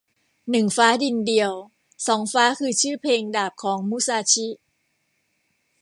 หนึ่งฟ้าดินเดียว สองฟ้าคือชื่อเพลงดาบของมุซาชิ